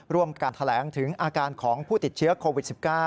ร่วมการแถลงถึงอาการของผู้ติดเชื้อโควิด๑๙